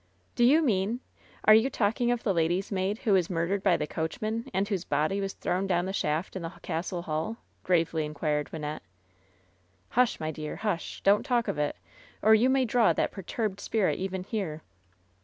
*T)o you mean — are you talking of the lady's maid who was murdered by the coachman, and whose body was thrown down the shaft in the castle hall f ' gravely inquired Wynnette. "Hush, my dear. Husht Don't talk of it, or you may draw that perturbed spirit even here."